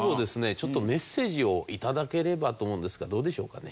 ちょっとメッセージを頂ければと思うんですがどうでしょうかね？